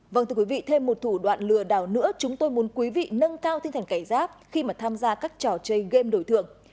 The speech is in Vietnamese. vâng thưa quý vị thêm một thủ đoạn lừa đảo nữa chúng tôi muốn quý vị nâng cao tinh thần cảnh giác khi mà tham gia các trò chơi game đổi thượng